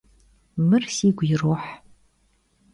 Mır sigu yiroh.